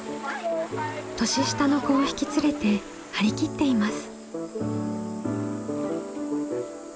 年下の子を引き連れて張り切っています。